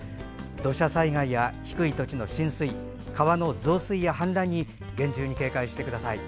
土砂災害や低い土地の浸水川の増水や氾濫に厳重に警戒してください。